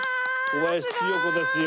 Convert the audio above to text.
小林千代子ですよ